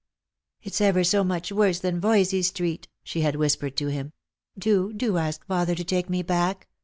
" It's ever so much worse than Voysey street," she had whis pered to him. " Do — do ask father to take me back